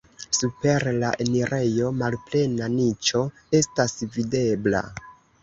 Super la enirejo malplena niĉo estas videbla.